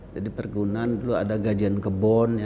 jadi perkebunan dulu ada gajian kebun